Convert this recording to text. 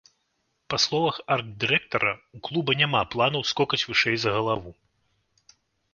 Па словах арт-дырэктара, у клуба няма планаў скокаць вышэй за галаву.